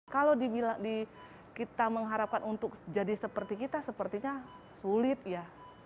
kalau kita mengharapkan untuk jadi seperti kita sepertinya sulit ya